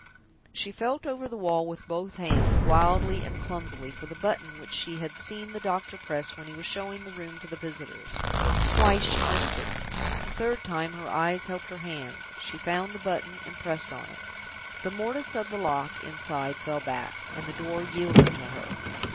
She felt over the wall with both hands, wildly and clumsily, for the button which she had seen the doctor press when he was showing the room to the visitors. Twice she missed it. The third time her eyes helped her hands; she found the button and pressed on it. The mortise of the lock inside fell back, and the door yielded to her.